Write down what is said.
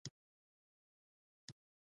اسناد ضایع شول.